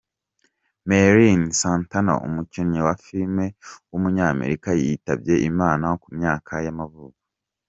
Merlin Santana, umukinnyi wa filime w’umunyamerika yitabye Imana ku myaka y’amavuko.